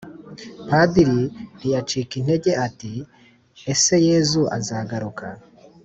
padiri ntiacika intege ati”ese yezu azagaruka?